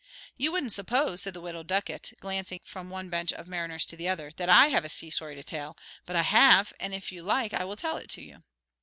"You wouldn't suppose," said the Widow Ducket, glancing from one bench of mariners to the other, "that I have a sea story to tell, but I have, and if you like I will tell it to you."